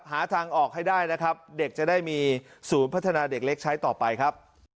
หาทางออกให้ได้นะครับเด็กจะได้มีศูนย์พัฒนาเด็กเล็กใช้ต่อไปครับ